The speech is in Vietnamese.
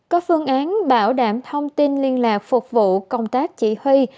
có phương án bảo đảm thông tin liên lạc phục vụ công tác chỉ huy